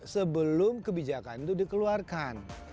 sebelum kebijakan itu dikeluarkan